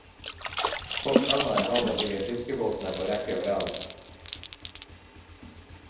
På stranda i havna ligger fiskebåtene på rekke og rad.